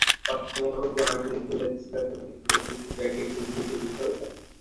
বষ্টনের কাগজে আমার বিরুদ্ধে লেখা সেই রচনাটি দেখে মিসেস ব্যাগলি খুবই বিচলিত হয়েছেন।